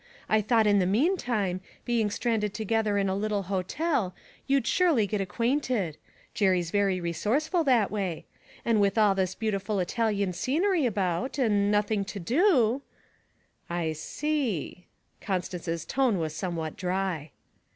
I thought in the meantime, being stranded together in a little hotel, you'd surely get acquainted Jerry's very resourceful that way and with all this beautiful Italian scenery about, and nothing to do ' 'I see!' Constance's tone was somewhat dry.